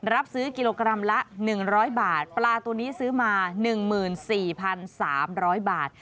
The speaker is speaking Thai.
รับซื้อกิโลกรัมละ๑๐๐บาทปลาตัวนี้ซื้อมา๑๔๓๐๐บาท